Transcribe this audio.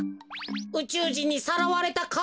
うちゅうじんにさらわれたか？